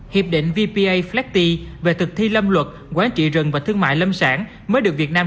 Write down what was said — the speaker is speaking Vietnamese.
hiệp định vpa flecti về thực thi lâm luật quản trị rừng và thương mại lâm sản mới được việt nam